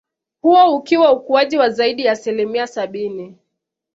Huo ukiwa ukuaji wa zaidi ya asilimia sabini